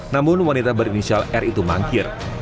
namun wanita berinisial r itu mangkir